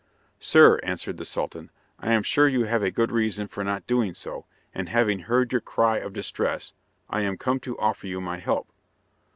"Sir," answered the Sultan, "I am sure you have a good reason for not doing so, and having heard your cry of distress, I am come to offer you my help.